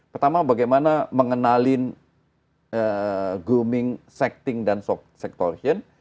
pertama bagaimana mengenali grooming sexting dan sektorian